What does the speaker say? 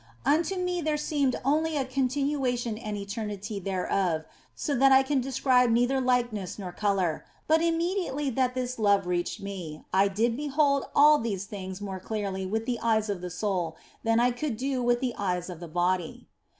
Unto me there seemed only a continuation and eternity thereof, so that I can describe neither likeness nor colour, but immediately that this love reached me, I did behold all these things more clearly with the eyes of the soul than I could do with the eyes of the body.